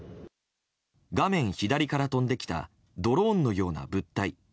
画面左から飛んできたドローンのような物体。